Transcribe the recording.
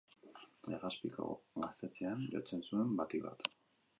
Legazpiko gaztetxean jotzen zuen, batik bat.